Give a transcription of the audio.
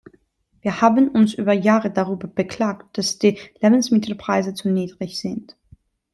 Wir haben uns über Jahre darüber beklagt, dass die Lebensmittelpreise zu niedrig sind.